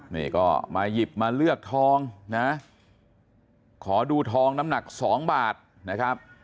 นี่ก็มาหยิบมาเลือกทองนะขอดูทองน้ำหนักสองบาทนะครับ